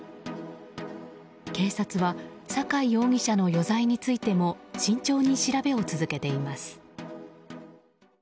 警察は酒井容疑者の余罪についても慎重に調べを続けています。